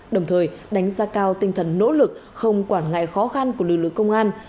đồng thời đánh giá cao tinh thần nỗ lực không quản ngại khó khăn của lưu lực công an